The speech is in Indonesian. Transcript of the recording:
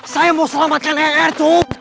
saya mau selamatkan rr cukup